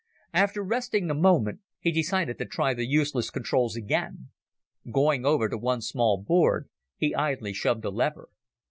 After resting a moment, he decided to try the useless controls again. Going over to one small board, he idly shoved a lever.